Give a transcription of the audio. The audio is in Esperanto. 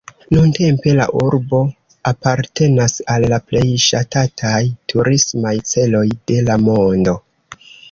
Nuntempe la urbo apartenas al la plej ŝatataj turismaj celoj de la mondo.